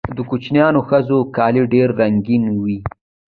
د کوچیانیو ښځو کالي ډیر رنګین وي.